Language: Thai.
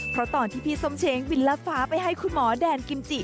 เพราะตอนที่พี่ส้มเช้งบินลัดฟ้าไปให้คุณหมอแดนกิมจิ